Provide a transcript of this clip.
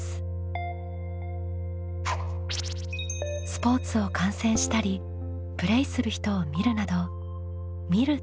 スポーツを観戦したりプレイする人を見るなど「みる」